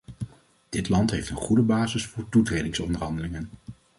Dit land heeft een goede basis voor toetredingsonderhandelingen.